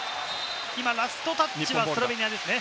ラストタッチはスロベニアですね。